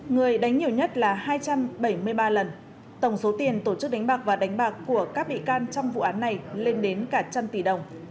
người đánh nhiều nhất là hai trăm bảy mươi ba lần tổng số tiền tổ chức đánh bạc và đánh bạc của các bị can trong vụ án này lên đến cả trăm tỷ đồng